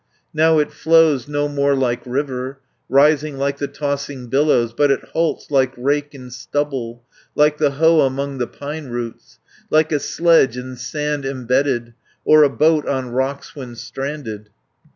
Now it flows no more like river, Rising like the tossing billows, But it halts like rake in stubble, Like the hoe among the pine roots, 350 Like a sledge in sand embedded, Or a boat on rocks when stranded."